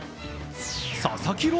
佐々木朗